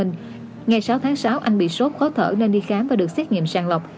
ngày sáu tháng sáu anh bị sốt khó thở nên đi khám và được xét nghiệm sàng lọc